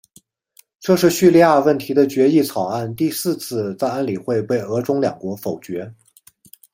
这是叙利亚问题的决议草案第四次在安理会被俄中两国否决。